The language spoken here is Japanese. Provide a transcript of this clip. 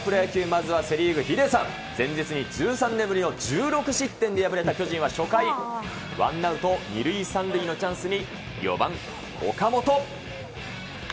まずはセ・リーグ、ヒデさん、前日に１３年ぶりの１６失点で敗れた巨人は初回、ワンアウト２塁３塁のチャンスに、４番岡本。